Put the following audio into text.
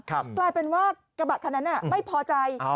กลายเป็นว่ากระบะคันนั้นไม่พอใจ